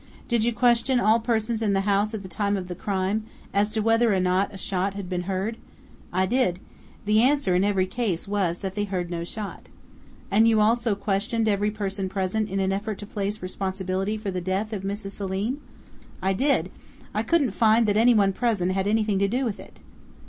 "Did you question all persons in the house at the time of the crime, as to whether or not a shot had been heard?" "I did. The answer in every case was that they heard no shot." "And you also questioned every person present in an effort to place responsibility for the death of Mrs. Selim?" "I did. I couldn't find that anyone present had anything to do with it."